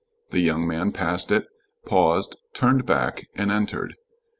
The young man passed it, paused, turned back, and entered.